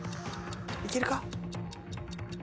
・いけるか？